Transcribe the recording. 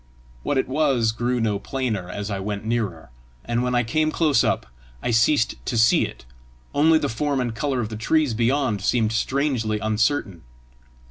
What it was grew no plainer as I went nearer, and when I came close up, I ceased to see it, only the form and colour of the trees beyond seemed strangely uncertain.